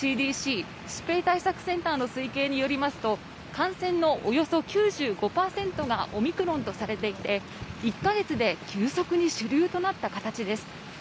ＣＤＣ＝疾病対策センターの推計によりますと感染のおよそ９５％がオミクロンとされていて、１か月で急速に主流となった形です。